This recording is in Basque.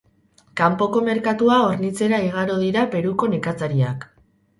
Kanpoko merkatua hornitzera igaro dira Peruko nekazariak.